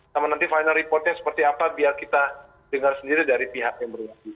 sama nanti final reportnya seperti apa biar kita dengar sendiri dari pihak yang berwajib